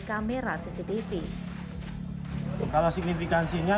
kamera cctv kalau signifikansinya